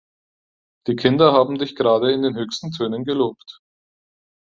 Die Kinder haben dich gerade in den höchsten Tönen gelobt.